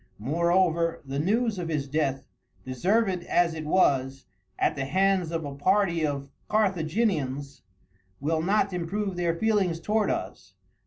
Moreover, the news of his death, deserved as it was, at the hands of a party of Carthaginians, will not improve their feelings towards us.